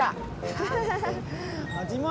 ado ga berantem